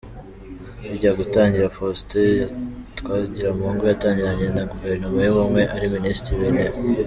Bijya gutangira : Faustin Twagiramungu yatangirananye na Guverinoma y’Ubumwe, ari Minisitiri w’Intebe.